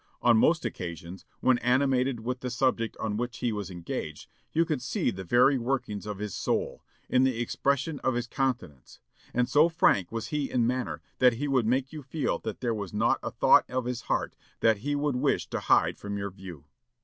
"On most occasions, when animated with the subject on which he was engaged, you could see the very workings of his soul, in the expression of his countenance; and so frank was he in manner that he would make you feel that there was not a thought of his heart that he would wish to hide from your view."